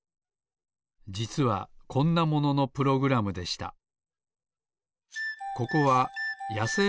じつはこんなもののプログラムでした。